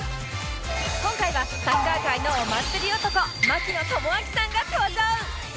今回はサッカー界のお祭り男槙野智章さんが登場！